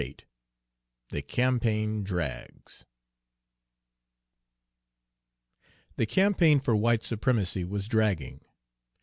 VIII THE CAMPAIGN DRAGS The campaign for white supremacy was dragging.